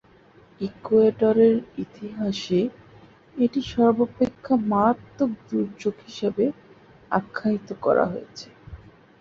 ইকুয়েডরের ইতিহাসে এটি সর্বাপেক্ষা মারাত্মক দুর্যোগ হিসেবে আখ্যায়িত করা হয়ে থাকে।